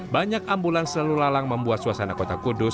banyak ambulans selalu lalang membuat suasana kota kudus